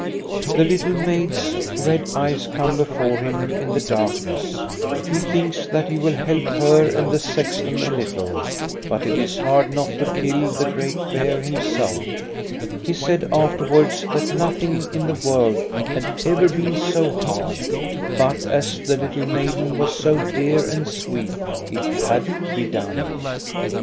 The little maid's red eyes come before him in the darkness; he thinks that he will help her and the sexton a little, but it is hard not to kill the great bear himself, He said afterwards that nothing in the world had ever been so hard, but as the little maiden was so dear and sweet, it had to be done.